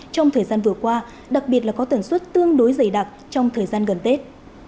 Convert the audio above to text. trong thời gian vừa qua đặc biệt là có tần suất tương đối dày đặc trong thời gian gần tết